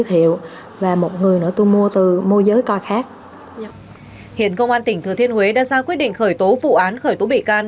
hiện công an tỉnh thừa thiên huế đã ra quyết định khởi tố vụ án khởi tố bị can